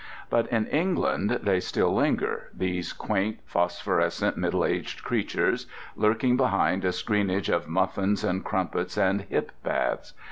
But in England they still linger, these quaint, phosphorescent middle aged creatures, lurking behind a screenage of muffins and crumpets and hip baths.